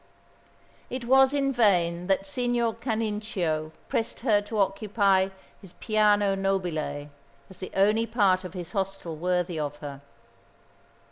It was in vain that Signor Canincio pressed her to occupy his piano nobile as the only part of his hostel worthy of her.